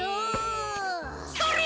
それ！